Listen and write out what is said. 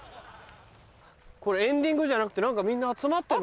これエンディングじゃなくて何かみんな集まってんのかね？